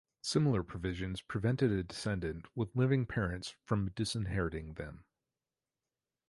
Similar provisions prevented a decedent with living parents from disinheriting them.